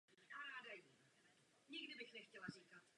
Nemůžeme je však budovat sami.